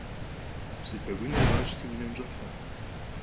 Psı pegunır khaşti vunem ş'ehe.